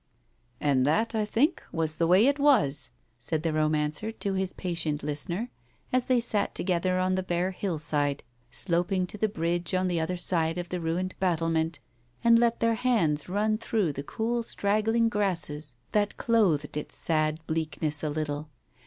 "And that, I think, was the way it was," said the romancer to his patient listener, as they sat together on the bare hillside sloping to the Bridge on the other side of the ruined battlement, and let their hands run through the cool straggling grasses that clothed its sad bleakness a little.